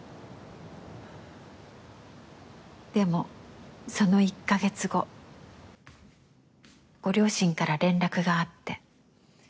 でもその１カ月後ご両親から連絡があって。